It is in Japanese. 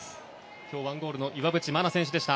今日１ゴールの岩渕真奈選手でした。